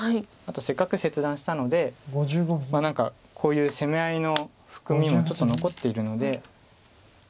あとせっかく切断したので何かこういう攻め合いの含みもちょっと残っているので。